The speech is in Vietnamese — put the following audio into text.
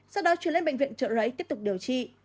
sau đó chuyển lên bệnh viện trợ rẫy tiếp tục điều trị